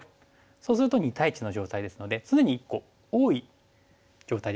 そうすると２対１の状態ですので常に１個多い状態で戦えますからね